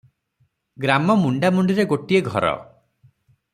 ଗ୍ରାମ ମୁଣ୍ଡାମୁଣ୍ଡିରେ ଗୋଟିଏ ଘର ।